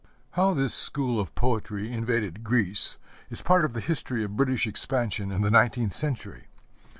How this school of poetry invaded Greece is part of the history of British expansion in the nineteenth century.